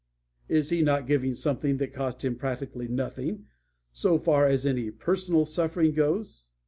Is he not giving something that cost him practically nothing so far as any personal suffering goes?